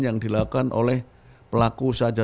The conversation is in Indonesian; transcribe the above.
yang dilakukan oleh pelaku saja